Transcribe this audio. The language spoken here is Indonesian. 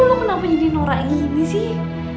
lu kenapa jadi noraini sih